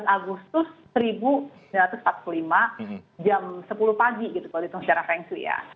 tujuh belas agustus seribu sembilan ratus empat puluh lima jam sepuluh pagi gitu kalau dihitung secara frankly ya